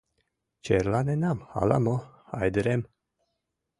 Черланенам ала мо, Айдырем.